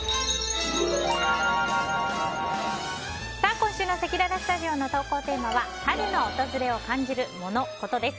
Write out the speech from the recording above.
今週のせきららスタジオの投稿テーマは春の訪れを感じるモノ・コトです。